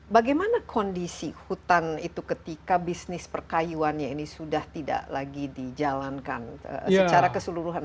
bagaimana kondisi hutan itu ketika bisnis perkayuannya ini sudah tidak lagi dijalankan secara keseluruhan